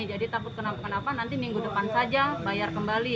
jadi takut kenapa kenapa nanti minggu depan saja bayar kembali